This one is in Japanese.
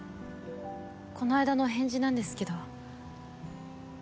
この間の返事なんですけど。